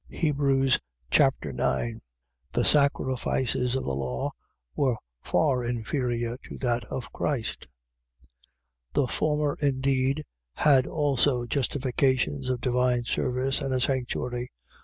Hebrews Chapter 9 The sacrifices of the law were far inferior to that of Christ. 9:1. The former indeed had also justifications of divine service and a sanctuary. 9:2.